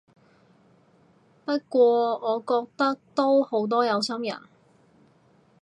不過我覺得都好多有心人